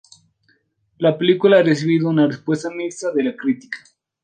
La película ha recibido una respuesta mixta de la crítica.